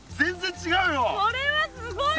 これはすごいよ。